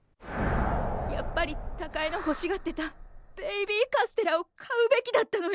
やっぱり貴恵のほしがってたベイビーカステラを買うべきだったのよ！